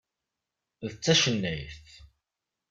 D tacennayt.